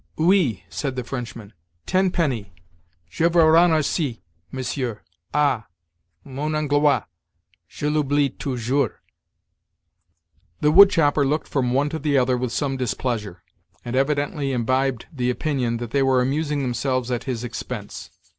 "Oui," said the Frenchman, "ten penny. Jevausraner cie, monsieur: ah! mon Anglois! je l'oublie toujours." The wood chopper looked from one to the other with some displeasure; and evidently imbibed the opinion that they were amusing themselves at his expense.